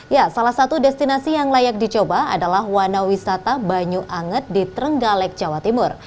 ya salah satu destinasi yang layak dicoba adalah wana wisata banyu anget di trenggalek jawa timur